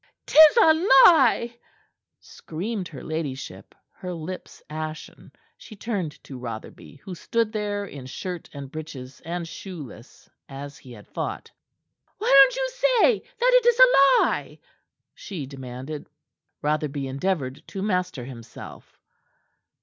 "'Tis a lie!" screamed her ladyship, her lips ashen. She turned to Rotherby, who stood there in shirt and breeches and shoeless, as he had fought. "Why don't you say that it is a lie?" she demanded. Rotherby endeavored to master himself.